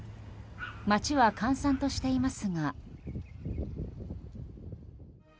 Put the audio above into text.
街は閑散としていますが。